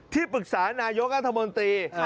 ที่ปรึกษานายกรัฐมนตรี